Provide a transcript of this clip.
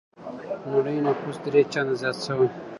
نړۍ نفوس درې چنده زيات شوی.